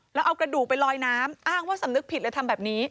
แล้วเอากระดูกไปลอยน้ำอ้างว่าสำนึกผิดเลยทำแบบนี้